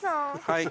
はい。